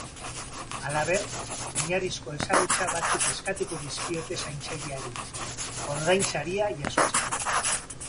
Halaber, oinarrizko ezagutza batzuk eskatuko dizkiote zaintzaileari, ordainsaria jasotzeko.